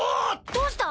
どうした⁉